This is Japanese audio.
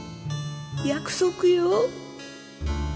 約束よ。